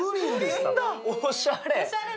おしゃれ。